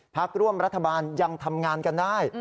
พักร่วมรัฐบาลยังทำงานกันได้